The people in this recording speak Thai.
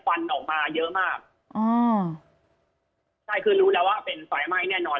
ควันออกมาเยอะมากอ๋อใช่คือรู้แล้วว่าเป็นไฟไหม้แน่นอน